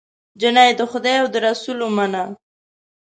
جینۍ د خدای او د رسول ومنه